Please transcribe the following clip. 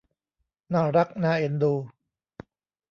น่ารักน่าเอ็นดู